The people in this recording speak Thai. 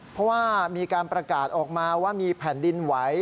เพราะว่ามีการประกาศออกมาว่ามีแผ่นดินไหว